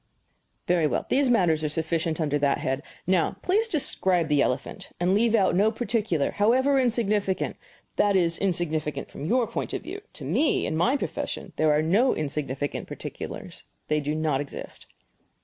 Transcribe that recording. "Very well. These matters are sufficient under that head. Now please describe the elephant, and leave out no particular, however insignificant that is, insignificant from your point of view. To men in my profession there are no insignificant particulars; they do not exist."